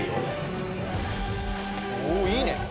おおいいね。